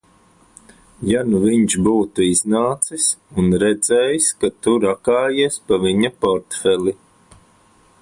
Ja nu viņš būtu iznācis un redzējis, ka tu rakājies pa viņa portfeli?